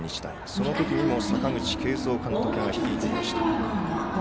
その時にも阪口慶三監督が率いていました。